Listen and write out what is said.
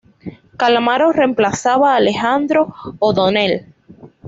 Calamaro reemplazaba a Alejandro O'Donell.